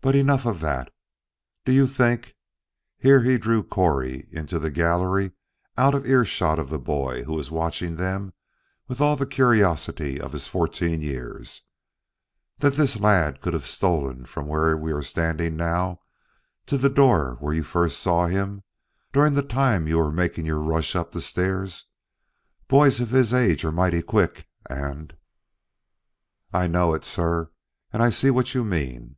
But enough of that. Do you think" here he drew Correy into the gallery out of earshot of the boy, who was watching them with all the curiosity of his fourteen years "that this lad could have stolen from where we are standing now to the door where you first saw him, during the time you were making your rush up the stairs? Boys of his age are mighty quick, and " "I know it, sir; and I see what you mean.